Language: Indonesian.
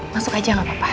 masuk aja gapapa